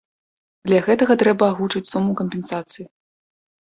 Для гэтага трэба агучыць суму кампенсацыі.